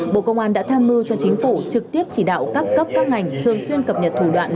bộ công an đã tham mưu cho chính phủ trực tiếp chỉ đạo các cấp các ngành thường xuyên cập nhật thủ đoạn